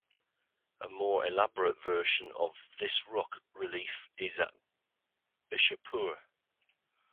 A more elaborate version of this rock relief is at Bishapur.